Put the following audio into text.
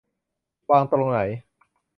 วางตรงไหน